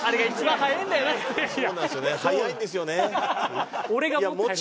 早いんですよね。